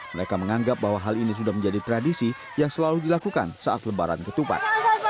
mereka menganggap bahwa hal ini sudah menjadi tradisi yang selalu dilakukan saat lebaran ketupat